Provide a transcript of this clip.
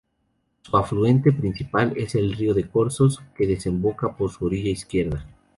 Su afluente principal es el río de Corzos, que desemboca por su orilla izquierda.